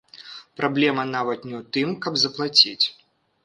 Праблема нават не ў тым, каб заплаціць.